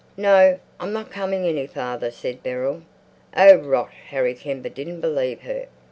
"No, I'm not coming any farther," said Beryl. "Oh, rot!" Harry Kember didn't believe her.